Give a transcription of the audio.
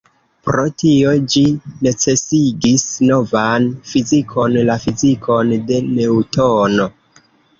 Pro tio, ĝi necesigis novan fizikon, la fizikon de Neŭtono.